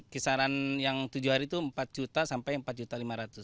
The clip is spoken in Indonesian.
kisaran yang tujuh hari itu empat juta sampai empat lima ratus